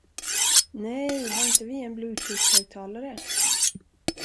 Nej, har inte vi en Bluetoothhögtalare?